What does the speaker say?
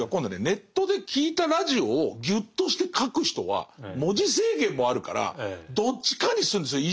ネットで聴いたラジオをギュッとして書く人は文字制限もあるからどっちかにするんですよ。